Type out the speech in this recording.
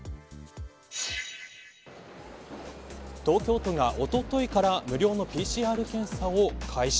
東京都が、おとといから無料のＰＣＲ検査を開始。